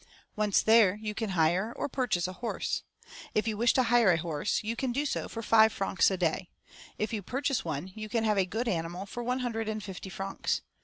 Once there you can hire or purchase a horse. If you wish to hire a horse you can do so for five francs a day; if you purchase one you can have a good animal for one hundred and fifty francs.